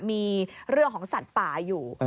มีเรื่องของสัตว์ป่าอยู่